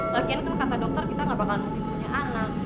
lagian kan kata dokter kita gak bakalan muntah punya anak